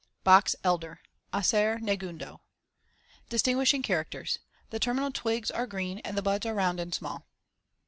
BOX ELDER (Acer negundo) Distinguishing characters: The terminal *twigs are green*, and the buds are round and small.